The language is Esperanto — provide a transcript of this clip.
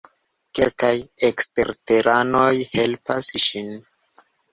Kelkaj eksterteranoj helpas ŝin.